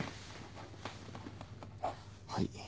はい。